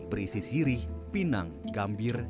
berisi sirih pinang gambir